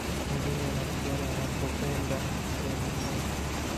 madume yanapigana wanapopenda sehemu moja